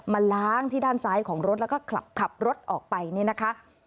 มาล้างที่ด้านซ้ายของรถแล้วก็ขับรถออกไปเนี่ยนะคะ